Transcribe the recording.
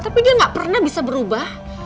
tapi dia nggak pernah bisa berubah